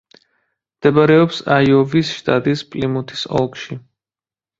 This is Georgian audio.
მდებარეობს აიოვის შტატის პლიმუთის ოლქში.